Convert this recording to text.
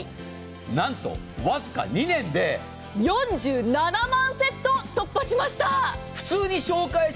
なんと、わずか２年で４７万セット突破しました！